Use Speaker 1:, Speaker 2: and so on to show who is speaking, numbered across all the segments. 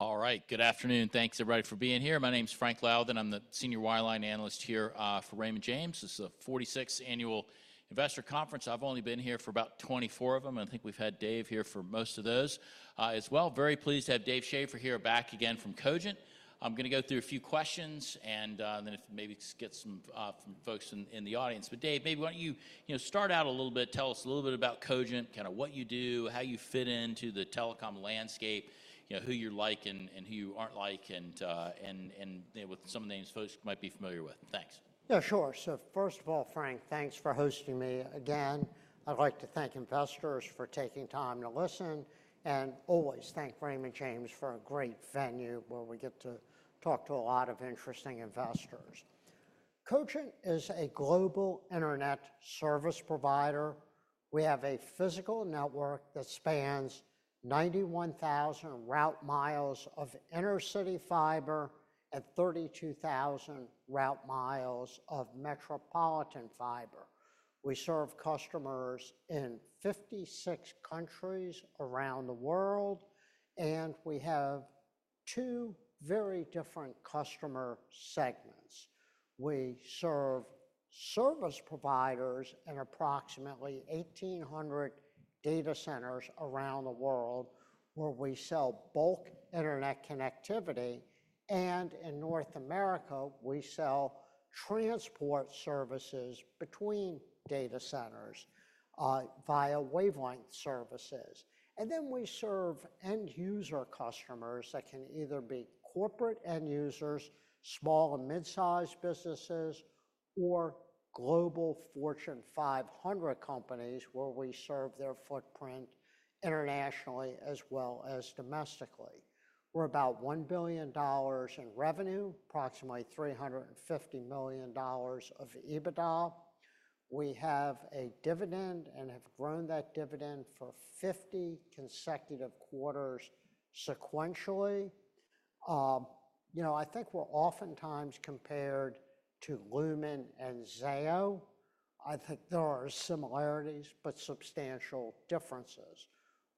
Speaker 1: All right, good afternoon. Thanks, everybody, for being here. My name is Frank Louthan. I'm the Senior Analyst here for Raymond James. This is the 46th Annual Investor Conference. I've only been here for about 24 of them, and I think we've had Dave here for most of those as well. Very pleased to have Dave Schaeffer here back again from Cogent. I'm going to go through a few questions and then maybe get some from folks in the audience. Dave, maybe why don't you start out a little bit, tell us a little bit about Cogent, kind of what you do, how you fit into the telecom landscape, who you're like and who you aren't like, and with some of the names folks might be familiar with. Thanks.
Speaker 2: Yeah, sure. First of all, Frank, thanks for hosting me again. I'd like to thank investors for taking time to listen and always thank Raymond James for a great venue where we get to talk to a lot of interesting investors. Cogent is a global internet service provider. We have a physical network that spans 91,000 route miles of inner city fiber and 32,000 route miles of metropolitan fiber. We serve customers in 56 countries around the world, and we have two very different customer segments. We serve service providers in approximately 1,800 data centers around the world where we sell bulk internet connectivity. In North America, we sell transport services between data centers via wavelength services. We serve end user customers that can either be corporate end users, small and mid-sized businesses, or global Fortune 500 companies where we serve their footprint internationally as well as domestically. We're about $1 billion in revenue, approximately $350 million of EBITDA. We have a dividend and have grown that dividend for 50 consecutive quarters sequentially. I think we're oftentimes compared to Lumen and Zayo. I think there are similarities, but substantial differences.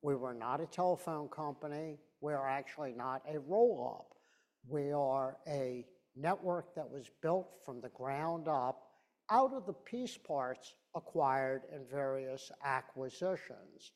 Speaker 2: We were not a telephone company. We are actually not a roll-up. We are a network that was built from the ground up out of the piece parts acquired in various acquisitions.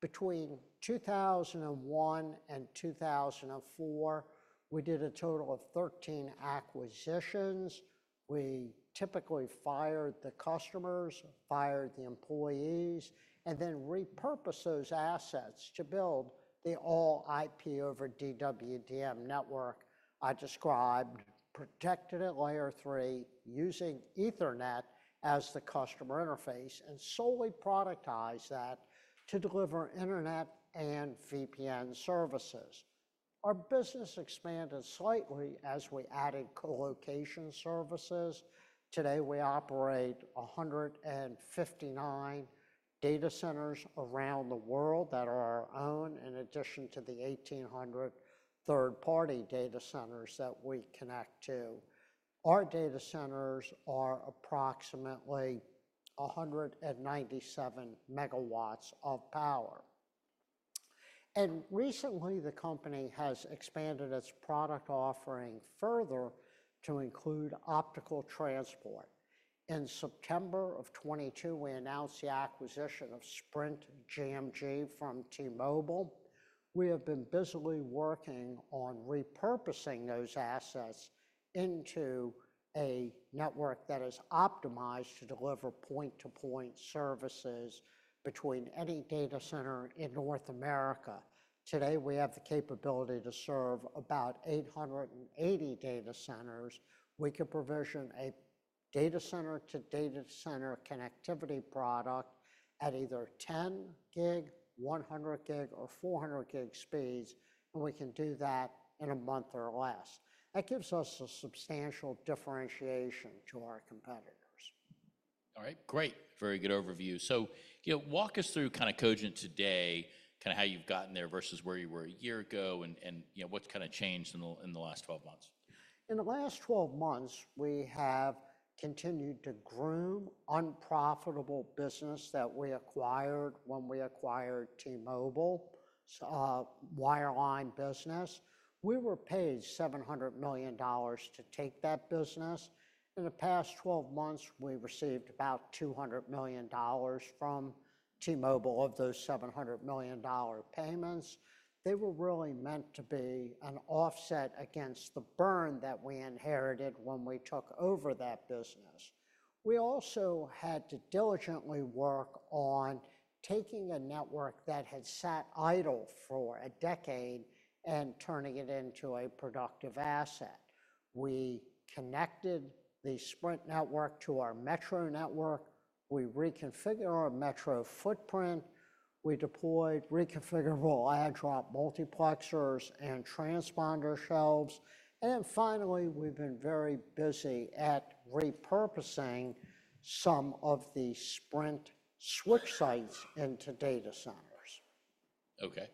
Speaker 2: Between 2001 and 2004, we did a total of 13 acquisitions. We typically fired the customers, fired the employees, and then repurposed those assets to build the all IP over DWDM network I described, protected at layer three using Ethernet as the customer interface and solely productized that to deliver internet and VPN services. Our business expanded slightly as we added colocation services. Today, we operate 159 data centers around the world that are our own in addition to the 1,800 third-party data centers that we connect to. Our data centers are approximately 197 megawatts of power. Recently, the company has expanded its product offering further to include optical transport. In September of 2022, we announced the acquisition of Sprint GMG from T-Mobile. We have been busily working on repurposing those assets into a network that is optimized to deliver point-to-point services between any data center in North America. Today, we have the capability to serve about 880 data centers. We can provision a data center-to-data center connectivity product at either 10 gig, 100 gig, or 400 gig speeds, and we can do that in a month or less. That gives us a substantial differentiation to our competitors.
Speaker 1: All right, great. Very good overview. Walk us through kind of Cogent today, kind of how you've gotten there versus where you were a year ago and what's kind of changed in the last 12 months.
Speaker 2: In the last 12 months, we have continued to groom unprofitable business that we acquired when we acquired T-Mobile wireline business. We were paid $700 million to take that business. In the past 12 months, we received about $200 million from T-Mobile of those $700 million payments. They were really meant to be an offset against the burn that we inherited when we took over that business. We also had to diligently work on taking a network that had sat idle for a decade and turning it into a productive asset. We connected the Sprint network to our Metro network. We reconfigured our Metro footprint. We deployed reconfigurable add drop multiplexers and transponder shelves. Finally, we have been very busy at repurposing some of the Sprint switch sites into data centers.
Speaker 1: Okay.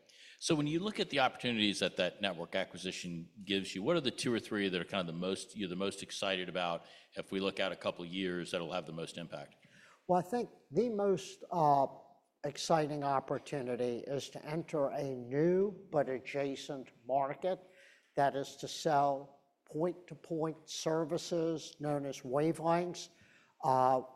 Speaker 1: When you look at the opportunities that that network acquisition gives you, what are the two or three that are kind of the most, you're the most excited about if we look out a couple of years that'll have the most impact?
Speaker 2: I think the most exciting opportunity is to enter a new but adjacent market that is to sell point-to-point services known as wavelengths.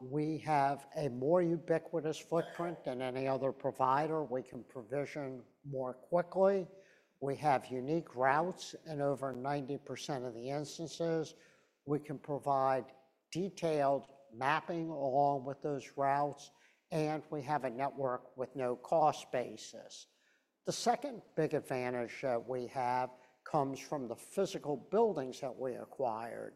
Speaker 2: We have a more ubiquitous footprint than any other provider. We can provision more quickly. We have unique routes in over 90% of the instances. We can provide detailed mapping along with those routes, and we have a network with no cost basis. The second big advantage that we have comes from the physical buildings that we acquired.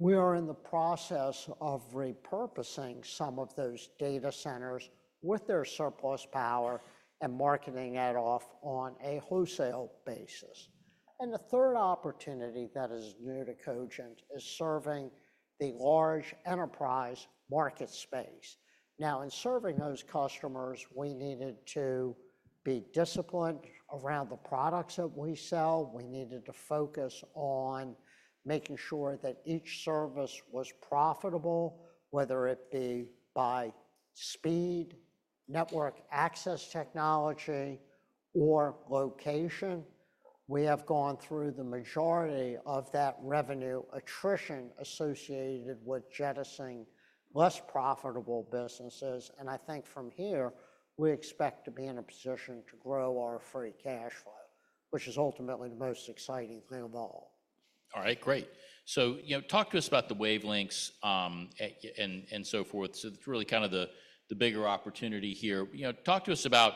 Speaker 2: We are in the process of repurposing some of those data centers with their surplus power and marketing it off on a wholesale basis. The third opportunity that is new to Cogent is serving the large enterprise market space. In serving those customers, we needed to be disciplined around the products that we sell. We needed to focus on making sure that each service was profitable, whether it be by speed, network access technology, or location. We have gone through the majority of that revenue attrition associated with jettisoning less profitable businesses. I think from here, we expect to be in a position to grow our free cash flow, which is ultimately the most exciting thing of all.
Speaker 1: All right, great. Talk to us about the wavelengths and so forth. It is really kind of the bigger opportunity here. Talk to us about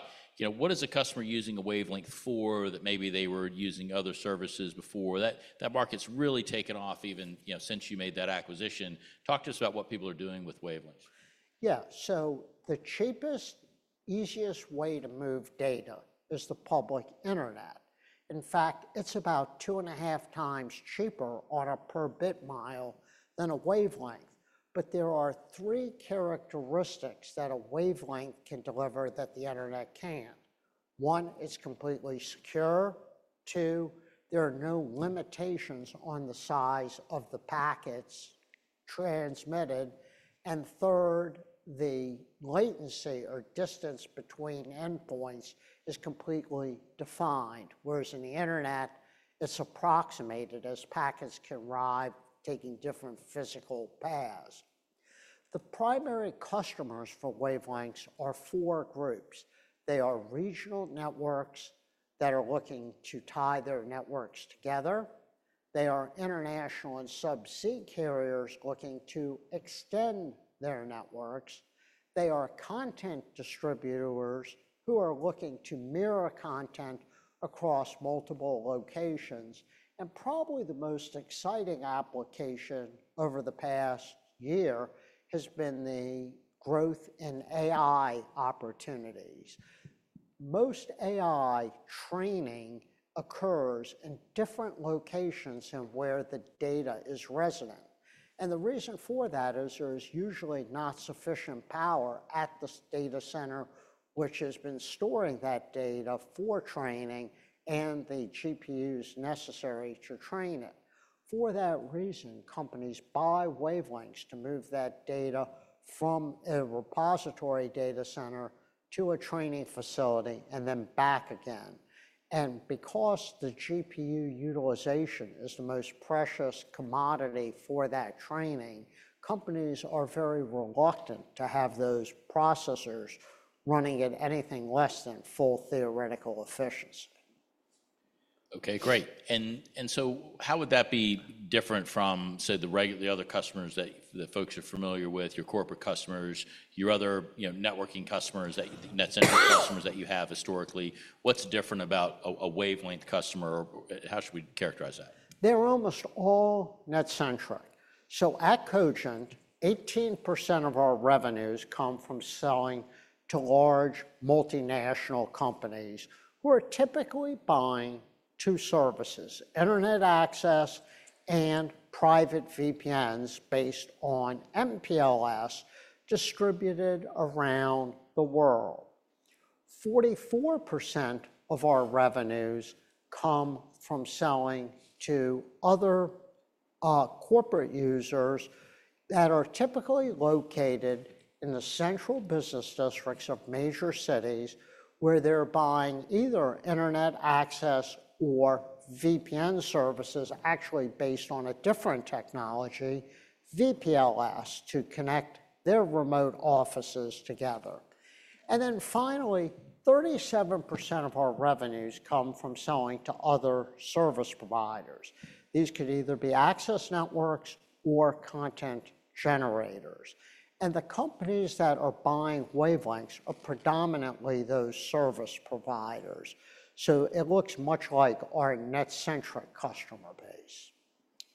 Speaker 1: what is a customer using a wavelength for that maybe they were using other services before. That market has really taken off even since you made that acquisition. Talk to us about what people are doing with wavelengths.
Speaker 2: Yeah. The cheapest, easiest way to move data is the public internet. In fact, it's about two and a half times cheaper on a per-bit mile than a wavelength. There are three characteristics that a wavelength can deliver that the internet can't. One, it's completely secure. Two, there are no limitations on the size of the packets transmitted. Third, the latency or distance between endpoints is completely defined, whereas in the internet, it's approximated as packets can arrive taking different physical paths. The primary customers for wavelengths are four groups. They are regional networks that are looking to tie their networks together. They are international and subsea carriers looking to extend their networks. They are content distributors who are looking to mirror content across multiple locations. Probably the most exciting application over the past year has been the growth in AI opportunities. Most AI training occurs in different locations and where the data is resident. The reason for that is there is usually not sufficient power at the data center, which has been storing that data for training and the GPUs necessary to train it. For that reason, companies buy wavelengths to move that data from a repository data center to a training facility and then back again. Because the GPU utilization is the most precious commodity for that training, companies are very reluctant to have those processors running at anything less than full theoretical efficiency.
Speaker 1: Okay, great. How would that be different from, say, the regular other customers that folks are familiar with, your corporate customers, your other networking customers, that net center customers that you have historically? What is different about a wavelength customer? How should we characterize that?
Speaker 2: They're almost all net-centric. At Cogent, 18% of our revenues come from selling to large multinational companies who are typically buying two services, internet access and private VPNs based on MPLS distributed around the world. 44% of our revenues come from selling to other corporate users that are typically located in the central business districts of major cities where they're buying either internet access or VPN services, actually based on a different technology, VPLS to connect their remote offices together. Finally, 37% of our revenues come from selling to other service providers. These could either be access networks or content generators. The companies that are buying wavelengths are predominantly those service providers. It looks much like our net-centric customer base.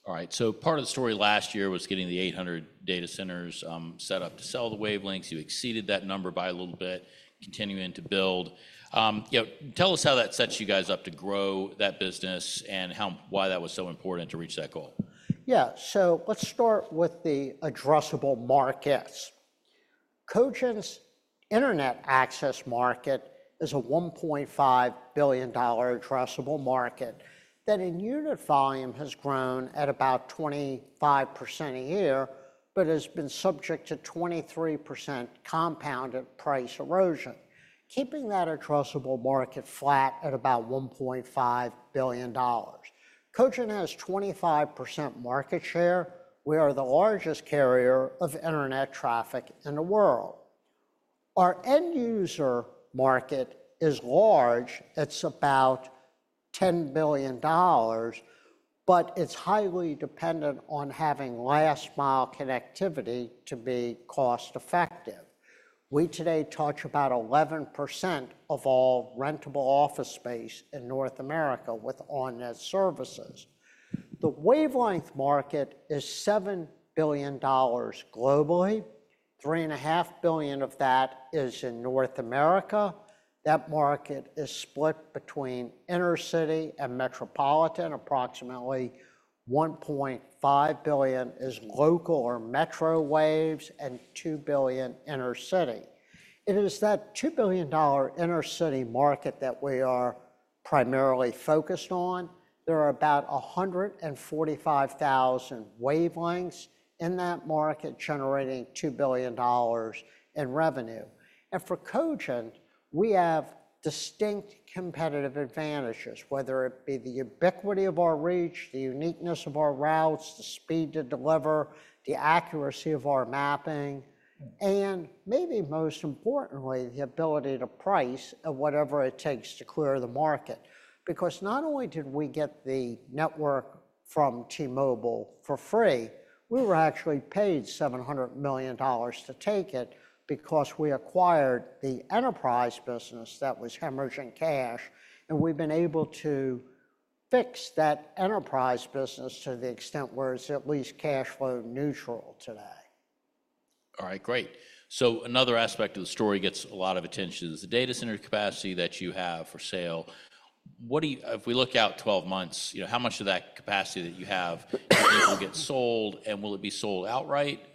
Speaker 1: All right. Part of the story last year was getting the 800 data centers set up to sell the wavelengths. You exceeded that number by a little bit, continuing to build. Tell us how that sets you guys up to grow that business and why that was so important to reach that goal.
Speaker 2: Yeah. Let's start with the addressable markets. Cogent's internet access market is a $1.5 billion addressable market that in unit volume has grown at about 25% a year, but has been subject to 23% compounded price erosion, keeping that addressable market flat at about $1.5 billion. Cogent has 25% market share. We are the largest carrier of internet traffic in the world. Our end user market is large. It's about $10 billion, but it's highly dependent on having last mile connectivity to be cost-effective. We today touch about 11% of all rentable office space in North America with on-net services. The wavelength market is $7 billion globally. Three and a half billion of that is in North America. That market is split between inner city and metropolitan. Approximately $1.5 billion is local or metro waves and $2 billion inner city. It is that $2 billion inner city market that we are primarily focused on. There are about 145,000 wavelengths in that market generating $2 billion in revenue. For Cogent, we have distinct competitive advantages, whether it be the ubiquity of our reach, the uniqueness of our routes, the speed to deliver, the accuracy of our mapping, and maybe most importantly, the ability to price at whatever it takes to clear the market. Because not only did we get the network from T-Mobile for free, we were actually paid $700 million to take it because we acquired the enterprise business that was hemorrhaging cash. We have been able to fix that enterprise business to the extent where it's at least cash flow neutral today.
Speaker 1: All right, great. Another aspect of the story gets a lot of attention is the data center capacity that you have for sale. If we look out 12 months, how much of that capacity that you have will get sold? Will it be sold outright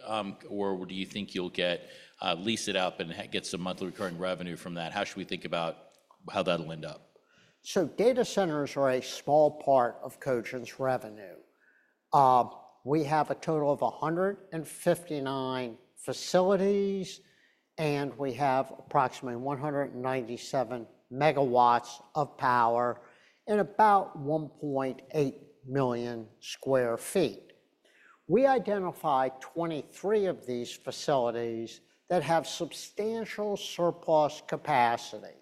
Speaker 1: or do you think you'll lease it up and get some monthly recurring revenue from that? How should we think about how that'll end up?
Speaker 2: Data centers are a small part of Cogent's revenue. We have a total of 159 facilities, and we have approximately 197 megawatts of power in about 1.8 million sq ft. We identify 23 of these facilities that have substantial surplus capacity.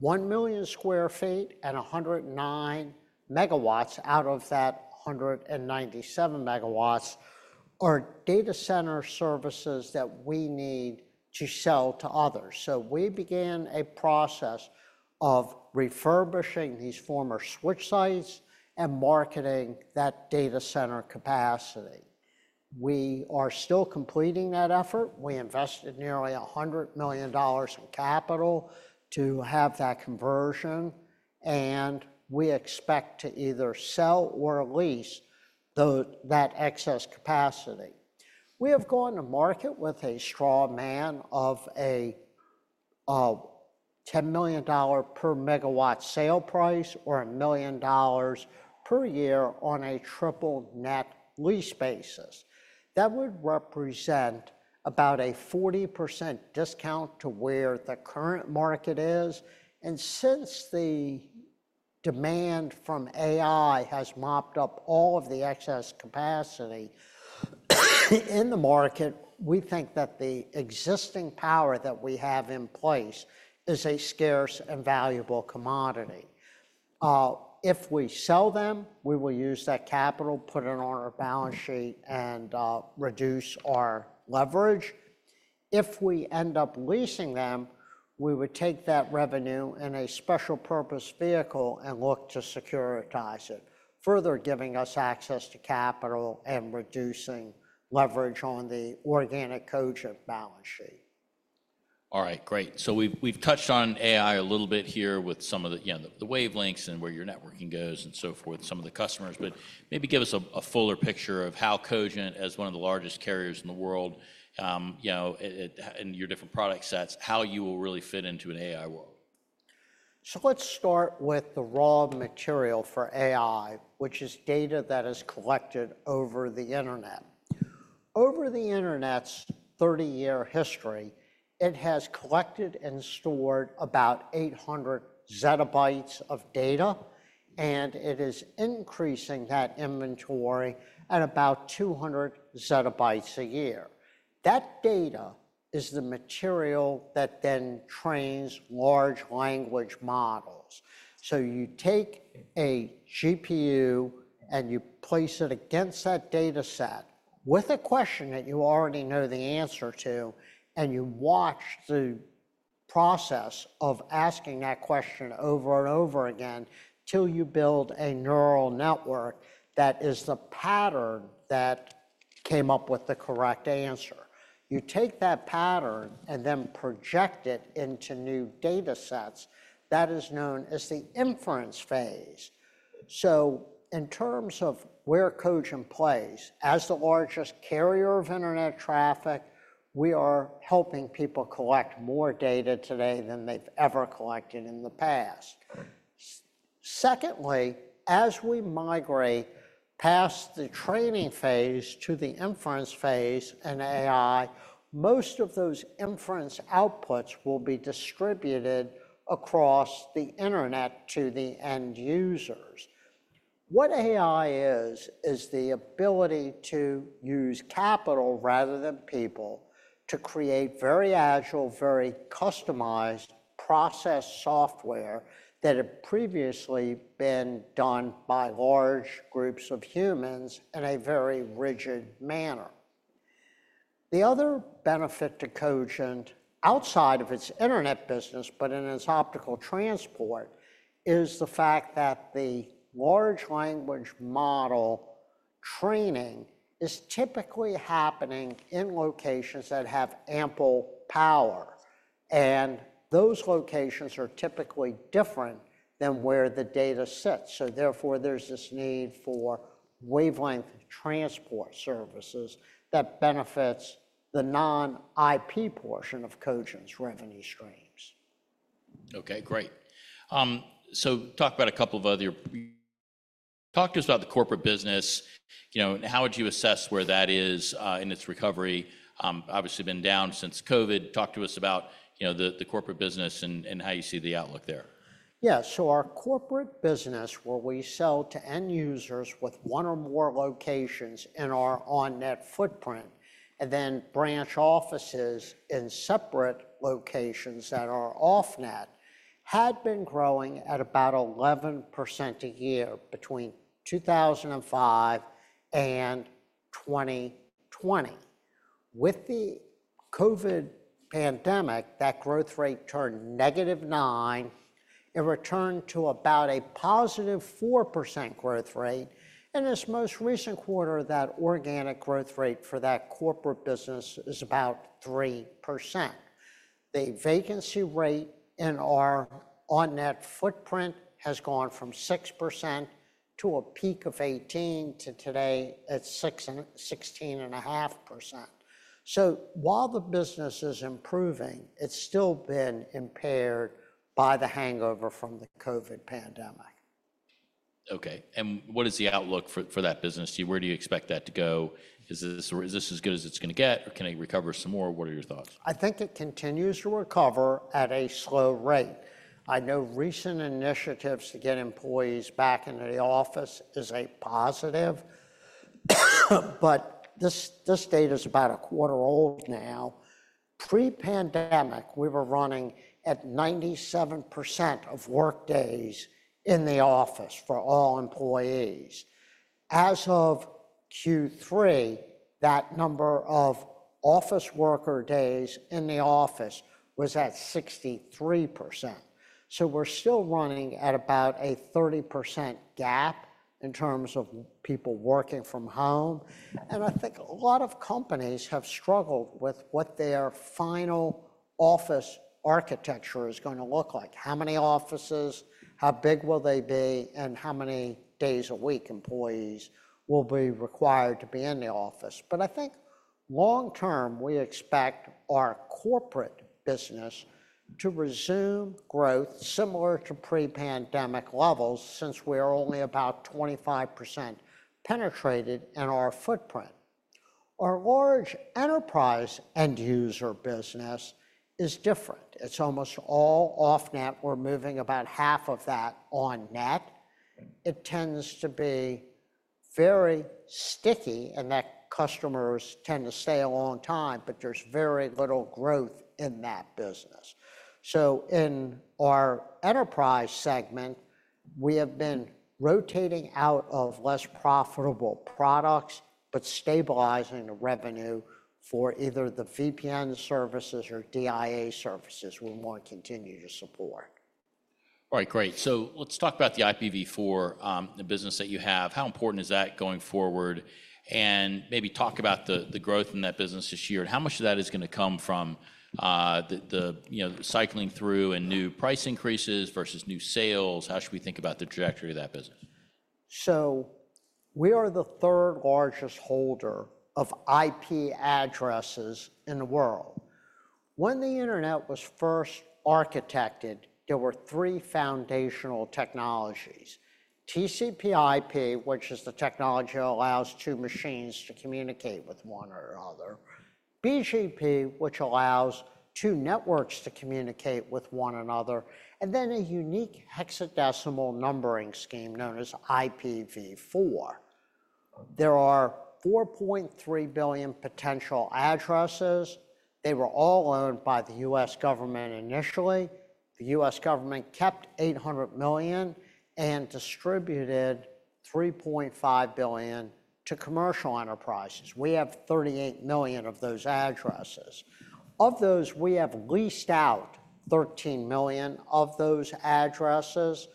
Speaker 2: 1 million sq ft and 109 megawatts out of that 197 megawatts are data center services that we need to sell to others. We began a process of refurbishing these former switch sites and marketing that data center capacity. We are still completing that effort. We invested nearly $100 million in capital to have that conversion, and we expect to either sell or lease that excess capacity. We have gone to market with a straw man of a $10 million per megawatt sale price or $1 million per year on a triple net lease basis. That would represent about a 40% discount to where the current market is. Since the demand from AI has mopped up all of the excess capacity in the market, we think that the existing power that we have in place is a scarce and valuable commodity. If we sell them, we will use that capital, put it on our balance sheet, and reduce our leverage. If we end up leasing them, we would take that revenue in a special purpose vehicle and look to securitize it, further giving us access to capital and reducing leverage on the organic Cogent balance sheet.
Speaker 1: All right, great. We have touched on AI a little bit here with some of the wavelengths and where your networking goes and so forth, some of the customers, but maybe give us a fuller picture of how Cogent, as one of the largest carriers in the world and your different product sets, how you will really fit into an AI world.
Speaker 2: Let's start with the raw material for AI, which is data that is collected over the internet. Over the internet's 30-year history, it has collected and stored about 800 zettabytes of data, and it is increasing that inventory at about 200 zettabytes a year. That data is the material that then trains large language models. You take a GPU and you place it against that data set with a question that you already know the answer to, and you watch the process of asking that question over and over again till you build a neural network that is the pattern that came up with the correct answer. You take that pattern and then project it into new data sets. That is known as the inference phase. In terms of where Cogent plays as the largest carrier of internet traffic, we are helping people collect more data today than they've ever collected in the past. Secondly, as we migrate past the training phase to the inference phase in AI, most of those inference outputs will be distributed across the internet to the end users. What AI is, is the ability to use capital rather than people to create very agile, very customized process software that had previously been done by large groups of humans in a very rigid manner. The other benefit to Cogent outside of its internet business, but in its optical transport, is the fact that the large language model training is typically happening in locations that have ample power. Those locations are typically different than where the data sits. Therefore, there's this need for wavelength transport services that benefits the non-IP portion of Cogent's revenue streams.
Speaker 1: Okay, great. Talk about a couple of other. Talk to us about the corporate business. How would you assess where that is in its recovery? Obviously, been down since COVID. Talk to us about the corporate business and how you see the outlook there.
Speaker 2: Yeah. So our corporate business, where we sell to end users with one or more locations in our on-net footprint and then branch offices in separate locations that are off-net, had been growing at about 11% a year between 2005 and 2020. With the COVID pandemic, that growth rate turned -9%. It returned to about a +4% growth rate. In its most recent quarter, that organic growth rate for that corporate business is about 3%. The vacancy rate in our on-net footprint has gone from 6% to a peak of 18% to today at 16.5%. So while the business is improving, it's still been impaired by the hangover from the COVID pandemic.
Speaker 1: Okay. What is the outlook for that business? Where do you expect that to go? Is this as good as it's going to get, or can it recover some more? What are your thoughts?
Speaker 2: I think it continues to recover at a slow rate. I know recent initiatives to get employees back into the office is a positive, but this data is about a quarter old now. Pre-pandemic, we were running at 97% of workdays in the office for all employees. As of Q3, that number of office worker days in the office was at 63%. We're still running at about a 30% gap in terms of people working from home. I think a lot of companies have struggled with what their final office architecture is going to look like. How many offices, how big will they be, and how many days a week employees will be required to be in the office. I think long term, we expect our corporate business to resume growth similar to pre-pandemic levels since we are only about 25% penetrated in our footprint. Our large enterprise end user business is different. It's almost all off-net. We're moving about half of that on-net. It tends to be very sticky, and that customers tend to stay a long time, but there's very little growth in that business. In our enterprise segment, we have been rotating out of less profitable products, but stabilizing the revenue for either the VPN services or DIA services we want to continue to support.
Speaker 1: All right, great. Let's talk about the IPv4, the business that you have. How important is that going forward? Maybe talk about the growth in that business this year. How much of that is going to come from the cycling through and new price increases versus new sales? How should we think about the trajectory of that business?
Speaker 2: We are the third largest holder of IP addresses in the world. When the internet was first architected, there were three foundational technologies: TCP/IP, which is the technology that allows two machines to communicate with one or the other; BGP, which allows two networks to communicate with one another; and then a unique hexadecimal numbering scheme known as IPv4. There are 4.3 billion potential addresses. They were all owned by the U.S. government initially. The U.S. government kept 800 million and distributed 3.5 billion to commercial enterprises. We have 38 million of those addresses. Of those, we have leased out 13 million of those addresses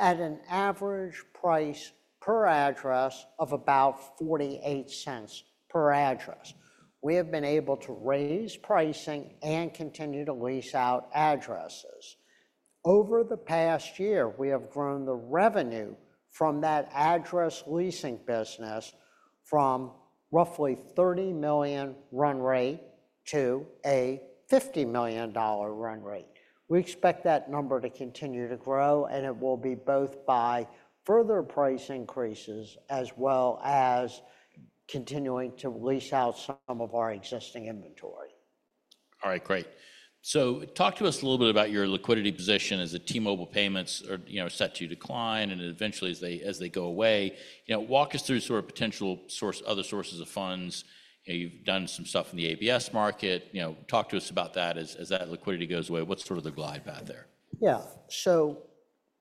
Speaker 2: at an average price per address of about $0.48 per address. We have been able to raise pricing and continue to lease out addresses. Over the past year, we have grown the revenue from that address leasing business from roughly $30 million run rate to a $50 million run rate. We expect that number to continue to grow, and it will be both by further price increases as well as continuing to lease out some of our existing inventory.
Speaker 1: All right, great. Talk to us a little bit about your liquidity position as the T-Mobile payments are set to decline and eventually as they go away. Walk us through sort of potential other sources of funds. You've done some stuff in the ABS market. Talk to us about that as that liquidity goes away. What's sort of the glide path there?
Speaker 2: Yeah.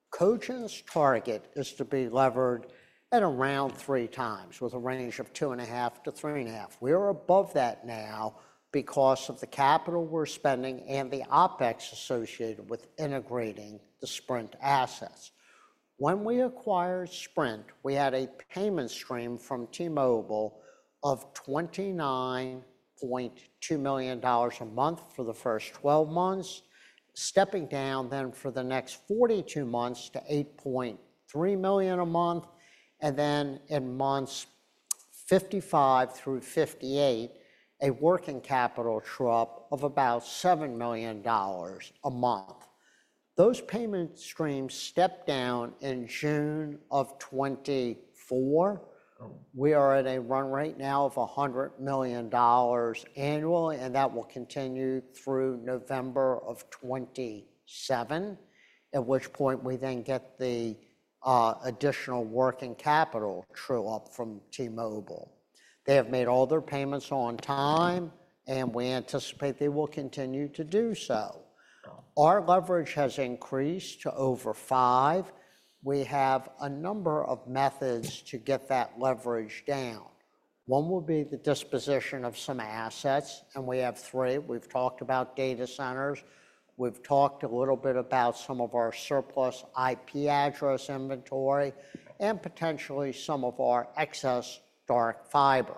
Speaker 2: Cogent's target is to be levered at around three times with a range of two and a half to three and a half. We are above that now because of the capital we're spending and the OpEx associated with integrating the Sprint assets. When we acquired Sprint, we had a payment stream from T-Mobile of $29.2 million a month for the first 12 months, stepping down then for the next 42 months to $8.3 million a month. In months 55 through 58, a working capital drop of about $7 million a month. Those payment streams stepped down in June of 2024. We are at a run rate now of $100 million annually, and that will continue through November of 2027, at which point we then get the additional working capital true up from T-Mobile. They have made all their payments on time, and we anticipate they will continue to do so. Our leverage has increased to over five. We have a number of methods to get that leverage down. One will be the disposition of some assets, and we have three. We've talked about data centers. We've talked a little bit about some of our surplus IP address inventory and potentially some of our excess dark fiber.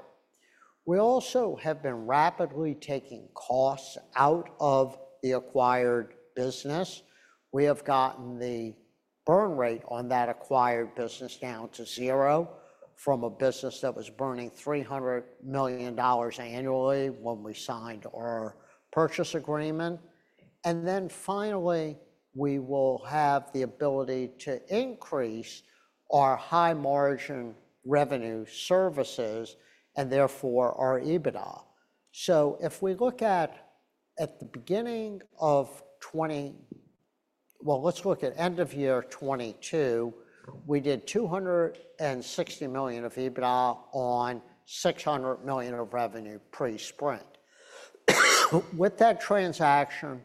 Speaker 2: We also have been rapidly taking costs out of the acquired business. We have gotten the burn rate on that acquired business down to zero from a business that was burning $300 million annually when we signed our purchase agreement. Finally, we will have the ability to increase our high margin revenue services and therefore our EBITDA. If we look at the beginning of 2020, well, let's look at end of year 2022, we did $260 million of EBITDA on $600 million of revenue pre-Sprint. With that transaction,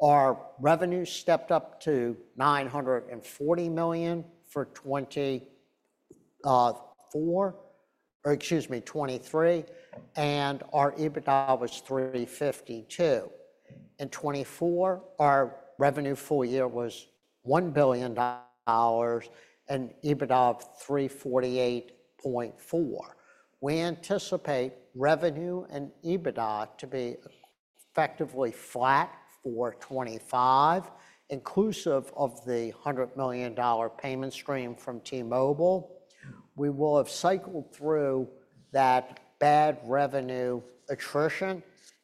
Speaker 2: our revenue stepped up to $940 million for 2024, or excuse me, 2023, and our EBITDA was $352 million. In 2024, our revenue full year was $1 billion and EBITDA of $348.4 million. We anticipate revenue and EBITDA to be effectively flat for 2025, inclusive of the $100 million payment stream from T-Mobile. We will have cycled through that bad revenue attrition,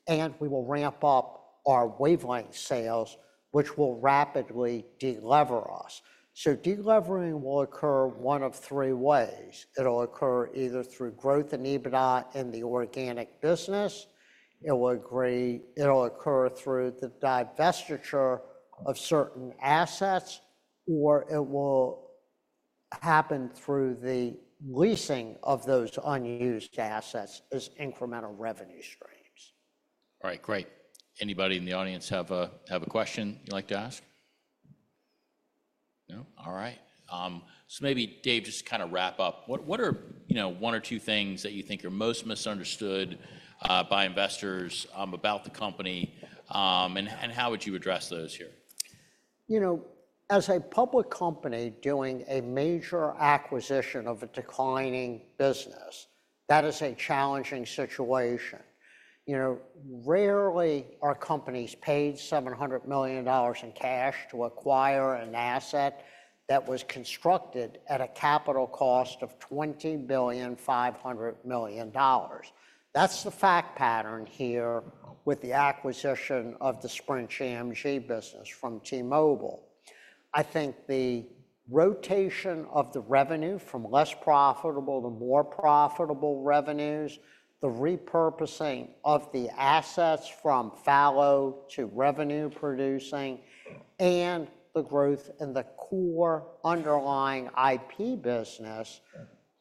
Speaker 2: and we will ramp up our wavelength sales, which will rapidly deliver us. Delivering will occur one of three ways. It will occur either through growth in EBITDA in the organic business. It will occur through the divestiture of certain assets, or it will happen through the leasing of those unused assets as incremental revenue streams.
Speaker 1: All right, great. Anybody in the audience have a question you'd like to ask? No? All right. Maybe, Dave, just to kind of wrap up, what are one or two things that you think are most misunderstood by investors about the company, and how would you address those here?
Speaker 2: You know, as a public company doing a major acquisition of a declining business, that is a challenging situation. Rarely are companies paid $700 million in cash to acquire an asset that was constructed at a capital cost of $20 billion, $500 million. That's the fact pattern here with the acquisition of the Sprint GMG business from T-Mobile. I think the rotation of the revenue from less profitable to more profitable revenues, the repurposing of the assets from fallow to revenue producing, and the growth in the core underlying IP business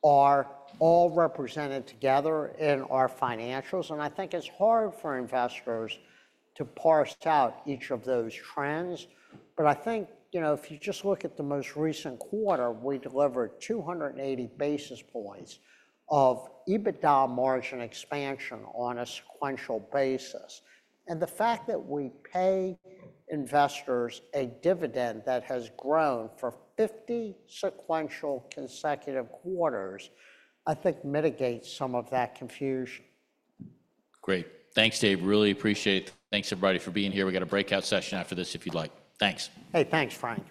Speaker 2: are all represented together in our financials. I think it's hard for investors to parse out each of those trends, but I think if you just look at the most recent quarter, we delivered 280 basis points of EBITDA margin expansion on a sequential basis. The fact that we pay investors a dividend that has grown for 50 sequential consecutive quarters, I think mitigates some of that confusion.
Speaker 1: Great. Thanks, Dave. Really appreciate it. Thanks, everybody, for being here. We've got a breakout session after this if you'd like. Thanks.
Speaker 2: Hey, thanks, Frank.